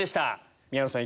宮野さん